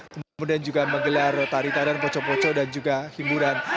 kemudian juga menggelar tari tarian poco poco dan juga hiburan